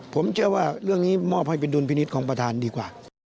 ผมเชื่อว่าเรื่องนี้มอบให้เป็นดุลพินิษฐ์ของประธานดีกว่า